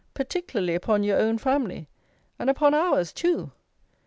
particularly, upon your own family and upon ours too?